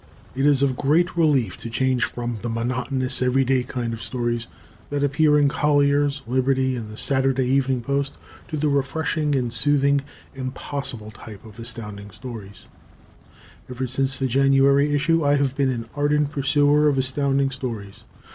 It is of great relief to change from the monotonous every day kind of stories that appear in Collier's, Liberty and The Saturday Evening Post to the refreshing and soothing "impossible" type of A. S. Ever since the January issue, I've been an ardent pursuer of Astounding Stories.